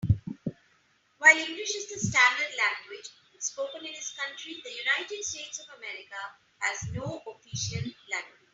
While English is the standard language spoken in his country, the United States of America has no official language.